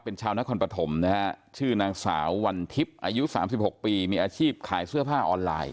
เป็นชาวนครปฐมนะฮะชื่อนางสาววันทิพย์อายุ๓๖ปีมีอาชีพขายเสื้อผ้าออนไลน์